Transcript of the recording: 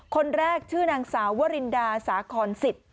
คนแรกชื่อนางสาววรินดาสาคอนสิทธิ์